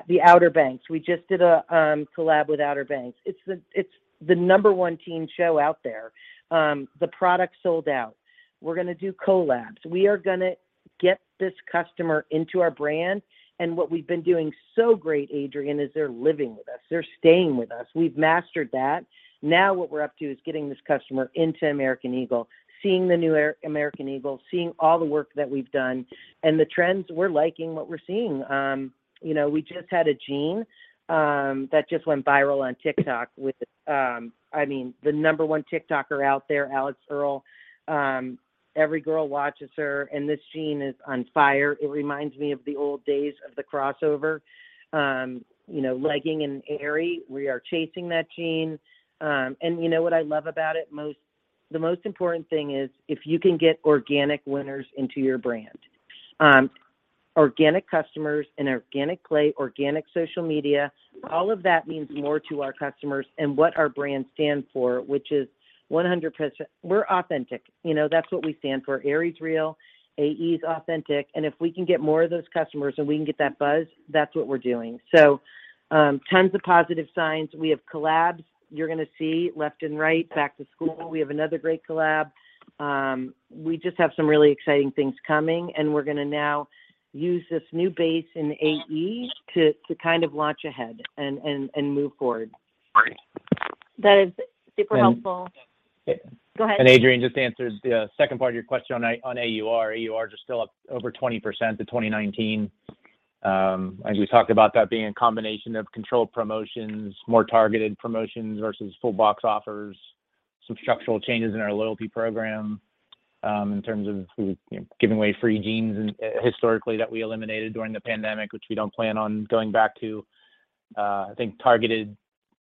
the Outer Banks, we just did a collab with Outer Banks. It's the number one teen show out there. The product sold out. We're gonna do collabs. We are gonna get this customer into our brand. What we've been doing so great, Adrienne, is they're living with us. They're staying with us. We've mastered that. Now what we're up to is getting this customer into American Eagle, seeing the new American Eagle, seeing all the work that we've done and the trends. We're liking what we're seeing. You know, we just had a jean that just went viral on TikTok with I mean, the number one TikToker out there, Alix Earle. Every girl watches her, and this jean is on fire. It reminds me of the old days of the crossover, you know, legging and Aerie. We are chasing that jean. You know what I love about it most? The most important thing is if you can get organic winners into your brand, organic customers and organic play, organic social media, all of that means more to our customers and what our brand stands for, which is 100%. We're authentic, you know, that's what we stand for. Aerie's real, AE's authentic, and if we can get more of those customers and we can get that buzz, that's what we're doing. Tons of positive signs. We have collabs you're gonna see left and right. Back to school, we have another great collab. We just have some really exciting things coming, and we're gonna now use this new base in AE to kind of launch ahead and move forward. Great. That is super helpful. And- Go ahead. Adrienne just answered the second part of your question on AUR. AUR just still up over 20% to 2019. As we talked about that being a combination of controlled promotions, more targeted promotions versus full box offers, some structural changes in our loyalty program, in terms of, you know, giving away free jeans historically that we eliminated during the pandemic, which we don't plan on going back to. I think targeted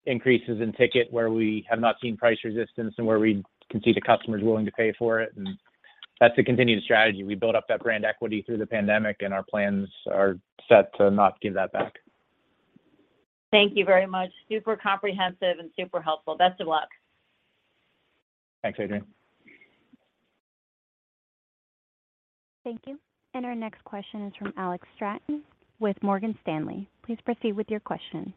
increases in ticket where we have not seen price resistance and where we can see the customers willing to pay for it, and that's the continued strategy. We built up that brand equity through the pandemic, and our plans are set to not give that back. Thank you very much. Super comprehensive and super helpful. Best of luck. Thanks, Adrienne. Thank you. Our next question is from Alex Straton with Morgan Stanley. Please proceed with your question.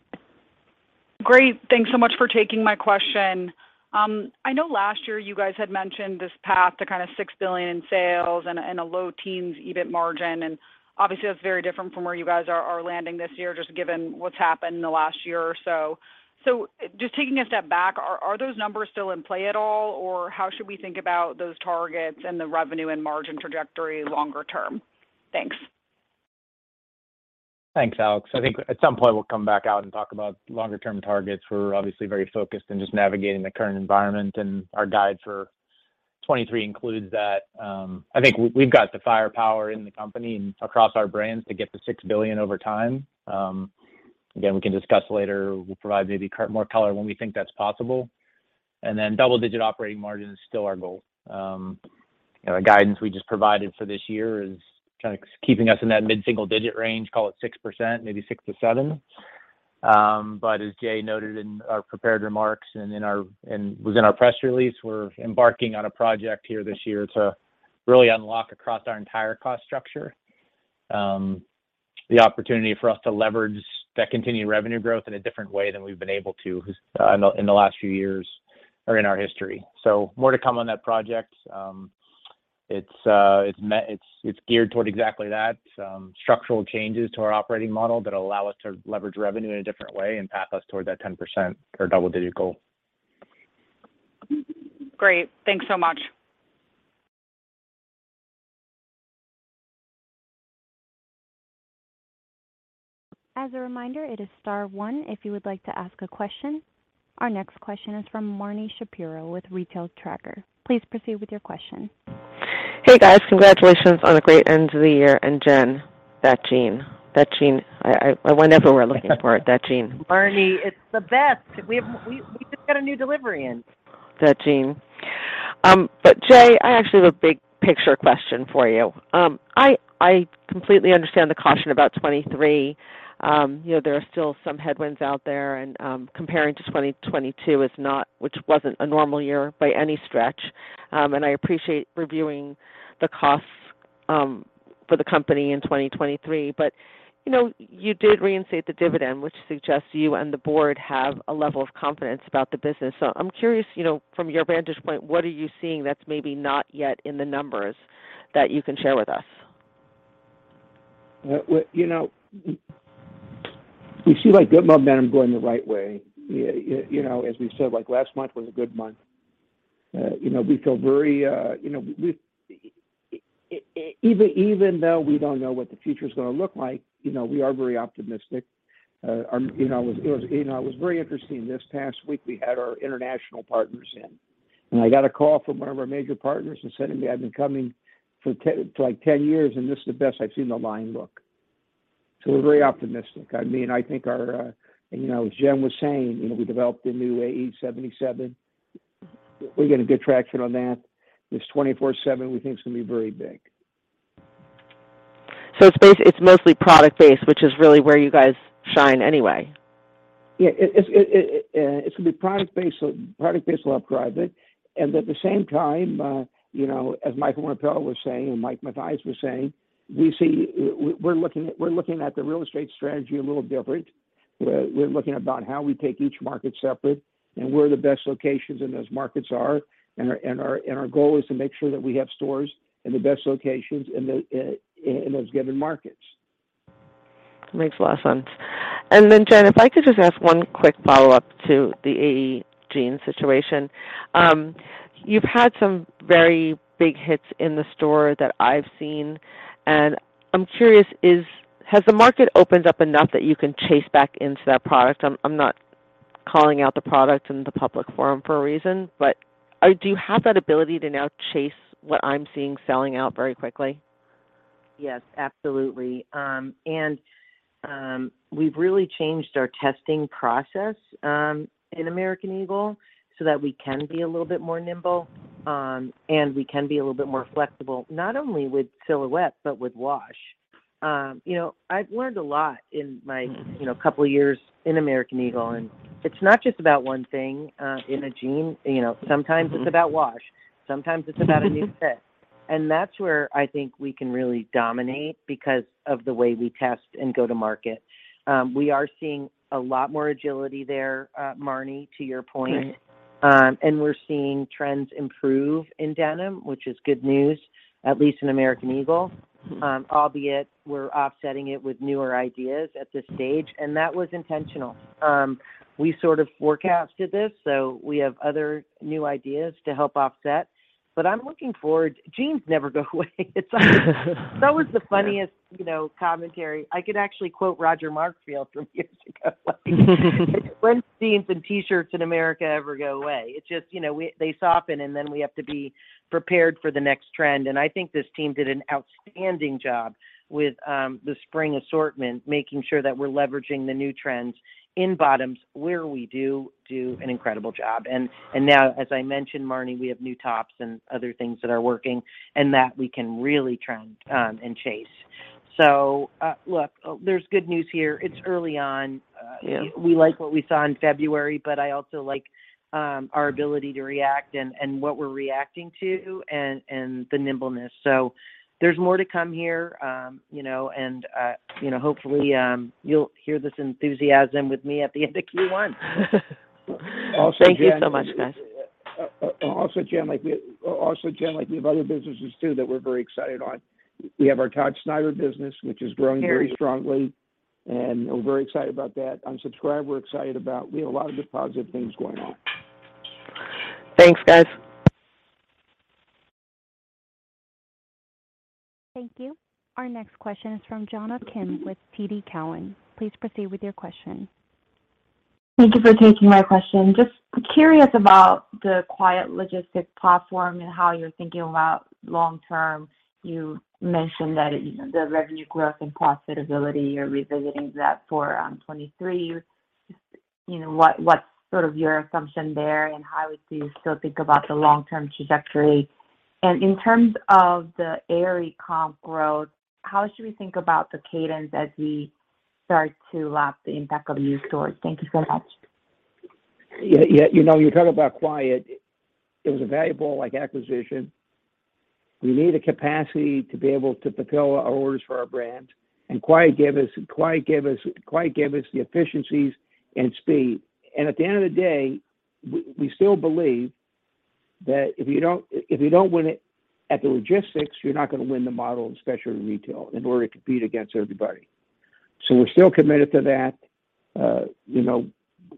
Great. Thanks so much for taking my question. I know last year you guys had mentioned this path to kind of $6 billion in sales and a low teens EBIT margin, and obviously that's very different from where you guys are landing this year just given what's happened in the last year or so. Just taking a step back, are those numbers still in play at all, or how should we think about those targets and the revenue and margin trajectory longer term? Thanks. Thanks, Alex. I think at some point we'll come back out and talk about longer term targets. We're obviously very focused in just navigating the current environment and our guide for 2023 includes that. I think we've got the firepower in the company and across our brands to get to $6 billion over time. Again, we can discuss later. We'll provide maybe cart more color when we think that's possible. Double-digit operating margin is still our goal. You know, the guidance we just provided for this year is kind of keeping us in that mid-single digit range, call it 6%, maybe 6%-7%. As Jay noted in our prepared remarks and in our press release, we're embarking on a project here this year to really unlock across our entire cost structure, the opportunity for us to leverage that continued revenue growth in a different way than we've been able to, in the last few years or in our history. More to come on that project. It's geared toward exactly that, structural changes to our operating model that allow us to leverage revenue in a different way and path us towards that 10% or double-digit goal. Great. Thanks so much. As a reminder, it is star 1 if you would like to ask a question. Our next question is from Marni Shapiro with Retail Tracker. Please proceed with your question. Hey, guys. Congratulations on a great end to the year. Jen, that jean. That jean. Whenever we're looking for it, that jean. Marni, it's the best. We just got a new delivery in. That jean. Jay, I actually have a big picture question for you. I completely understand the caution about 2023. You know, there are still some headwinds out there, and comparing to 2022 is not, which wasn't a normal year by any stretch. And I appreciate reviewing the costs for the company in 2023. You know, you did reinstate the dividend, which suggests you and the board have a level of confidence about the business. I'm curious, you know, from your vantage point, what are you seeing that's maybe not yet in the numbers that you can share with us? Well, you know, we see, like, good momentum going the right way. You know, as we said, like, last month was a good month. You know, we feel very. You know, even though we don't know what the future's gonna look like, you know, we are very optimistic. Our. You know, it was, you know, it was very interesting this past week, we had our international partners in. I got a call from one of our major partners who said to me, "I've been coming for, like, 10 years, and this is the best I've seen the line look." We're very optimistic. I mean, I think our. You know, as Jen was saying, you know, we developed a new AE77. We're getting a good traction on that. This 24/7 we think is gonna be very big. It's mostly product-based, which is really where you guys shine anyway. Yeah. It's gonna be product-based, so product-based will help drive it. At the same time, you know, as Michael Rempell was saying and Mike Mathias was saying, we're looking at the real estate strategy a little different. We're looking about how we take each market separate and where the best locations in those markets are, and our goal is to make sure that we have stores in the best locations in those given markets. Makes a lot of sense. Jen, if I could just ask one quick follow-up to the AE jeans situation. You've had some very big hits in the store that I've seen, and I'm curious, Has the market opened up enough that you can chase back into that product? I'm not calling out the product in the public forum for a reason. Do you have that ability to now chase what I'm seeing selling out very quickly? Yes, absolutely. We've really changed our testing process in American Eagle so that we can be a little bit more nimble, and we can be a little bit more flexible, not only with silhouette, but with wash. You know, I've learned a lot in my, you know, couple years in American Eagle, and it's not just about one thing in a jean. You know, sometimes it's about wash, sometimes it's about a new fit. That's where I think we can really dominate because of the way we test and go to market. We are seeing a lot more agility there, Marni, to your point. Great. We're seeing trends improve in denim, which is good news, at least in American Eagle. Albeit we're offsetting it with newer ideas at this stage, that was intentional. We sort of forecasted this, we have other new ideas to help offset. I'm looking forward. Jeans never go away. That was the funniest, you know, commentary. I could actually quote Roger Markfield from years ago. When jeans and T-shirts in America ever go away. It's just, you know, they soften, we have to be prepared for the next trend. I think this team did an outstanding job with the spring assortment, making sure that we're leveraging the new trends in bottoms where we do an incredible job. Now, as I mentioned, Marni, we have new tops and other things that are working and that we can really trend and chase. Look, there's good news here. It's early on. Yeah. We like what we saw in February, but I also like, our ability to react and what we're reacting to and the nimbleness. There's more to come here, you know, and, you know, hopefully, you'll hear this enthusiasm with me at the end of Q1. Thank you so much, guys. Also, Jen, like we have other businesses too that we're very excited on. We have our Todd Snyder business, which is growing very strongly, and we're very excited about that. Unsubscribed, we're excited about. We have a lot of positive things going on. Thanks, guys. Thank you. Our next question is from Jonna Kim with TD Cowen. Please proceed with your question. Thank you for taking my question. Just curious about the Quiet Logistics platform and how you're thinking about long term. You mentioned that the revenue growth and profitability, you're revisiting that for 2023. You know, what's sort of your assumption there, and how do you still think about the long-term trajectory? In terms of the Aerie comp growth, how should we think about the cadence as we start to lap the impact of these stores? Thank you so much. Yeah, yeah. You know, you talk about Quiet, it was a valuable, like, acquisition. We need the capacity to be able to fulfill our orders for our brand, Quiet gave us the efficiencies and speed. At the end of the day, we still believe that if you don't, if you don't win it at the logistics, you're not gonna win the model, especially in retail, in order to compete against everybody. We're still committed to that. You know,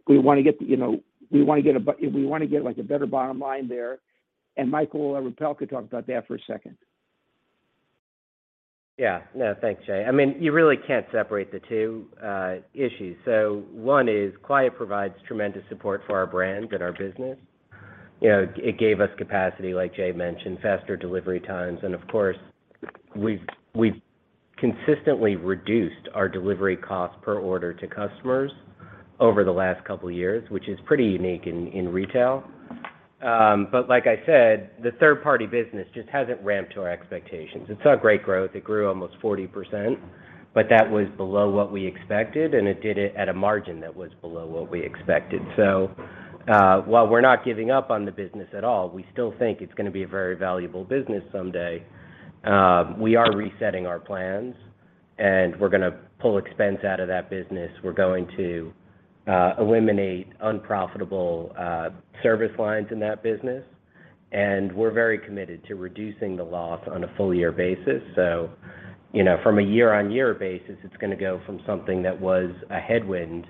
we wanna get, you know, we wanna get, like, a better bottom line there, and Michael Rempell could talk about that for a second. Yeah. No, thanks, Jay. I mean, you really can't separate the two issues. One is Quiet provides tremendous support for our brand and our business. You know, it gave us capacity, like Jay mentioned, faster delivery times. Of course, we've consistently reduced our delivery cost per order to customers over the last couple years, which is pretty unique in retail. Like I said, the third-party business just hasn't ramped to our expectations. It saw great growth. It grew almost 40%, that was below what we expected, and it did it at a margin that was below what we expected. While we're not giving up on the business at all, we still think it's gonna be a very valuable business someday, we are resetting our plans, and we're gonna pull expense out of that business. We're going to eliminate unprofitable service lines in that business, and we're very committed to reducing the loss on a full year basis. You know, from a year-on-year basis, it's gonna go from something that was a headwind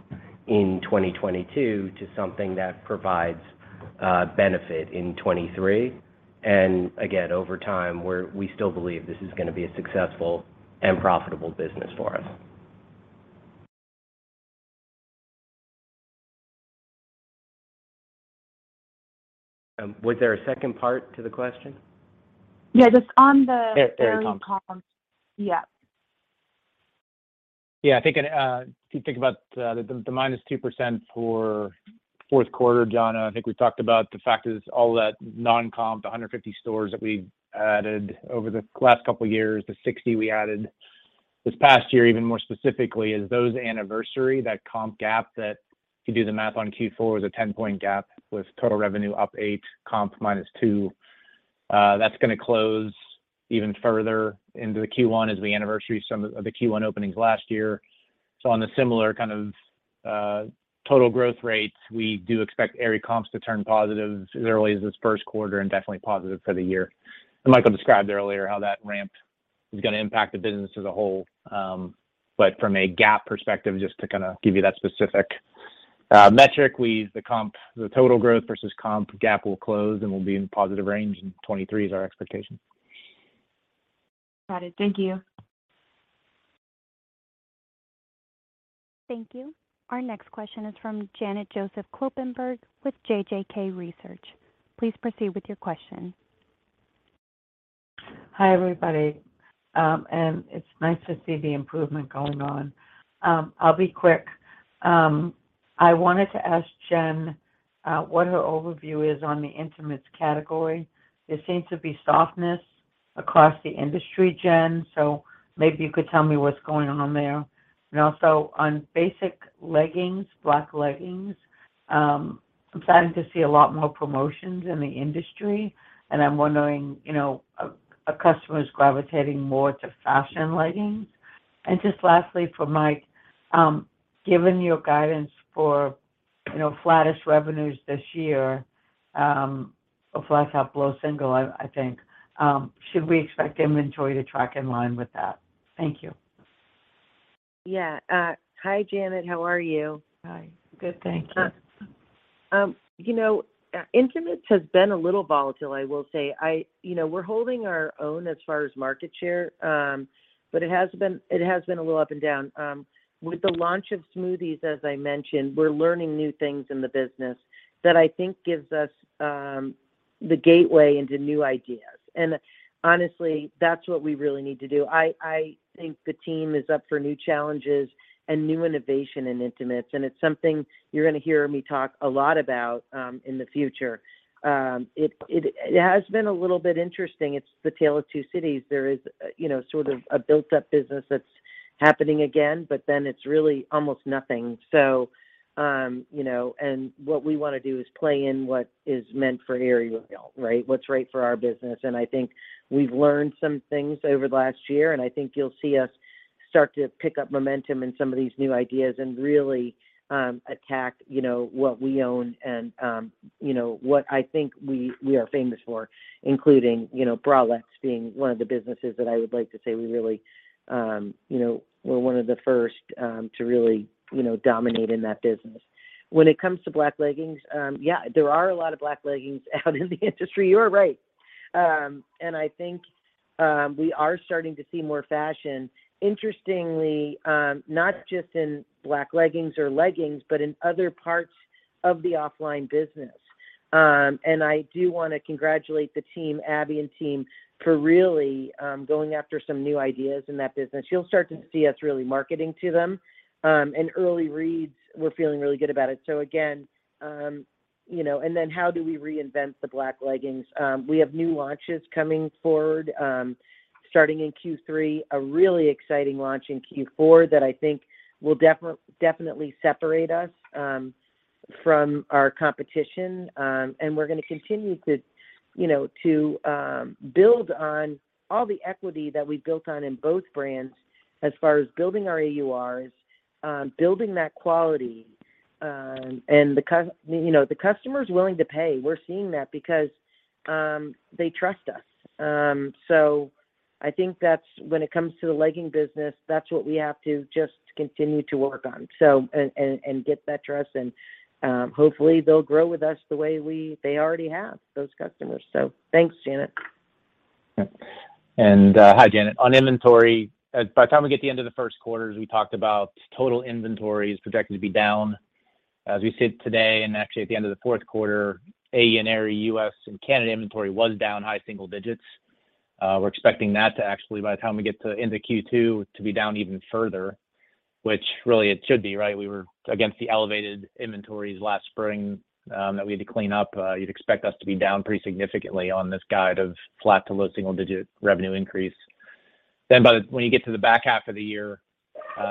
in 2022 to something that provides benefit in 2023. Again, over time, we still believe this is gonna be a successful and profitable business for us. Was there a second part to the question? Yeah, just on the Aerie comp. Aerie comp. Yeah. Yeah. I think, if you think about the -2% for Q4, Jonna, I think we've talked about the fact is all that non-comp, the 150 stores that we've added over the last couple years, the 60 we added this past year, even more specifically, as those anniversary, that comp gap that, if you do the math on Q4, was a 10-point gap, with total revenue up 8%, comp -2%. That's gonna close even further into the Q1 as we anniversary some of the Q1 openings last year. On a similar kind of total growth rates, we do expect Aerie comps to turn positive as early as this Q1 and definitely positive for the year. Michael described earlier how that ramp is gonna impact the business as a whole. From a GAAP perspective, just to kind of give you that specific metric, the total growth versus comp, GAAP will close and will be in positive range, and 23 is our expectation. Got it. Thank you. Thank you. Our next question is from Janet Joseph-Kloppenburg with JJK Research. Please proceed with your question. Hi, everybody. It's nice to see the improvement going on. I'll be quick. I wanted to ask Jen what her overview is on the intimates category. There seems to be softness across the industry, Jen, maybe you could tell me what's going on there. Also on basic leggings, black leggings, I'm starting to see a lot more promotions in the industry, and I'm wondering, you know, are customers gravitating more to fashion leggings? Just lastly for Mike, given your guidance for, you know, flattish revenues this year, or flat to low single, I think, should we expect inventory to track in line with that? Thank you. Yeah. Hi, Janet. How are you? Hi. Good, thank you. You know, intimates has been a little volatile, I will say. You know, we're holding our own as far as market share, but it has been a little up and down. With the launch of SMOOTHEZ, as I mentioned, we're learning new things in the business that I think gives us the gateway into new ideas. Honestly, that's what we really need to do. I think the team is up for new challenges and new innovation in intimates, and it's something you're gonna hear me talk a lot about in the future. It has been a little bit interesting. It's the tale of two cities. There is, you know, sort of a built-up business that's happening again, but then it's really almost nothing. You know, what we wanna do is play in what is meant for Aerie well, right? What's right for our business. I think we've learned some things over the last year, I think you'll see us start to pick up momentum in some of these new ideas and really attack, you know, what we own, you know, what I think we are famous for, including, you know, bralettes being one of the businesses that I would like to say we really, you know, we're one of the first to really, you know, dominate in that business. When it comes to black leggings, yeah, there are a lot of black leggings out in the industry. You are right. I think, we are starting to see more fashion, interestingly, not just in black leggings or leggings, but in other parts of the OFFLINE business. I do wanna congratulate the team, Abby and team, for really, going after some new ideas in that business. You'll start to see us really marketing to them. Early reads, we're feeling really good about it. Again, you know. How do we reinvent the black leggings? We have new launches coming forward, starting in Q3, a really exciting launch in Q4 that I think will definitely separate us from our competition. We're gonna continue to, you know, to build on all the equity that we've built on in both brands as far as building our AURs, building that quality. You know, the customer's willing to pay. We're seeing that because they trust us. I think that's when it comes to the legging business, that's what we have to just continue to work on, and get that trust, and hopefully they'll grow with us the way they already have, those customers. Thanks, Janet. Hi, Janet. On inventory, by the time we get to the end of the Q1, as we talked about, total inventory is projected to be down. As we sit today, and actually at the end of the Q4, AE and Aerie U.S. and Canada inventory was down high single digits. We're expecting that to actually, by the time we get to end of Q2, to be down even further, which really it should be, right? We were against the elevated inventories last spring, that we had to clean up. You'd expect us to be down pretty significantly on this guide of flat to low single digit revenue increase. by the. when you get to the back half of the year,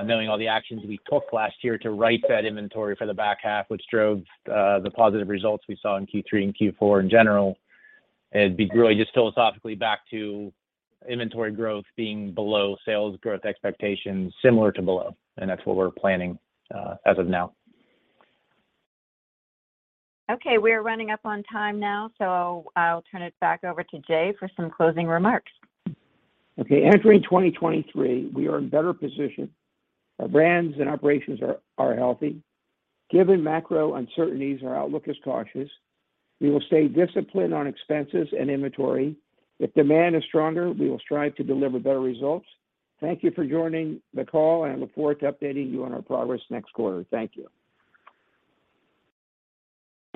knowing all the actions we took last year to right that inventory for the back half, which drove the positive results we saw in Q3 and Q4 in general, it'd be really just philosophically back to inventory growth being below sales growth expectations, similar to below, and that's what we're planning as of now. Okay, we are running up on time now, so I'll turn it back over to Jay for some closing remarks. Okay. Entering 2023, we are in better position. Our brands and operations are healthy. Given macro uncertainties, our outlook is cautious. We will stay disciplined on expenses and inventory. If demand is stronger, we will strive to deliver better results. Thank you for joining the call. I look forward to updating you on our progress next quarter. Thank you.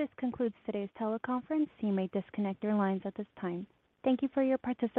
This concludes today's teleconference. You may disconnect your lines at this time. Thank you for your participation.